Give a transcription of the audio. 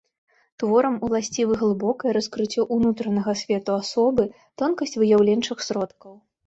Творам уласцівы глыбокае раскрыццё ўнутранага свету асобы, тонкасць выяўленчых сродкаў.